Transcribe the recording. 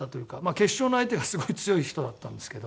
決勝の相手がすごい強い人だったんですけど。